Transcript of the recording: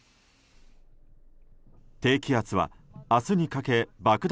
低気圧は明日にかけ爆弾